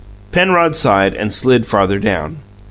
Penrod sighed, and slid farther down.